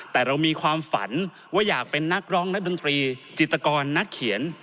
แต่เรามีความฝันว่าอยากเป็นนักร้องนักดนตรีจิตกรนักเขียน